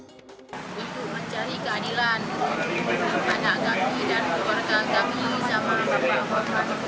itu mencari keadilan anak kami dan keluarga kami